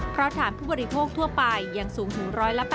เพราะฐานผู้บริโภคทั่วไปยังสูงถึง๑๘๐